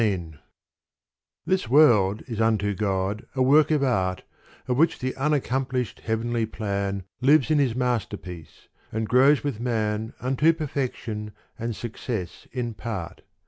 XVI This world is unto God a work of art Of which the unaccomplished heavenly plan Lives in his masterpiece and grows with man Unto perfection and success in part.